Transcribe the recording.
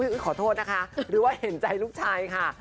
คือขอโทษนะคะหรือว่าเห็นใจลูกชายค่ะ